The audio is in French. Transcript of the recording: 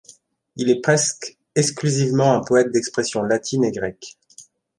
Il est presque exclusivement un poète d'expression latine et grecque.